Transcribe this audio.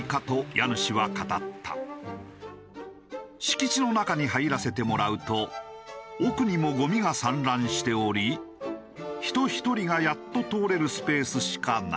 敷地の中に入らせてもらうと奥にもゴミが散乱しており人ひとりがやっと通れるスペースしかない。